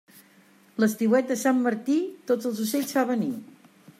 L'estiuet de sant Martí, tots els ocells fa venir.